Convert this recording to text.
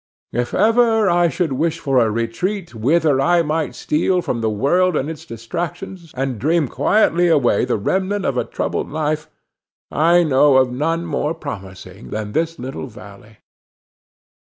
If ever I should wish for a retreat whither I might steal from the world and its distractions, and dream quietly away the remnant of a troubled life, I know of none more promising than this little valley.